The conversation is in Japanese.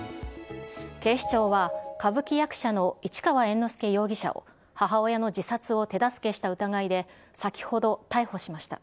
警視庁は、歌舞伎役者の市川猿之助容疑者を母親の自殺を手助けした疑いで、先ほど逮捕しました。